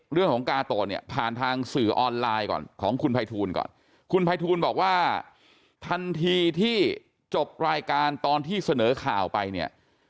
กาโตะเนี่ยผ่านทางสื่อออนไลน์ก่อนของคุณภัยทูลก่อนคุณภัยทูลบอกว่าทันทีที่จบรายการตอนที่เสนอข่าวไปเนี่ย